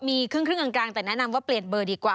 มีครึ่งกลางแต่แนะนำว่าเปลี่ยนเบอร์ดีกว่า